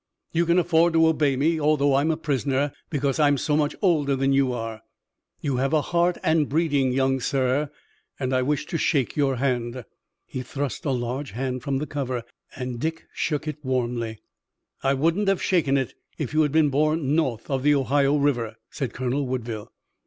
You can afford to obey me, although I'm a prisoner, because I'm so much older than you are. You have a heart and breeding, young sir, and I wish to shake your hand." He thrust a large hand from the cover, and Dick shook it warmly. "I wouldn't have shaken it if you had been born north of the Ohio River," said Colonel Woodville.